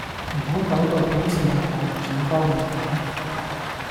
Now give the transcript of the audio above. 唔好講到好似係我唔想幫你咁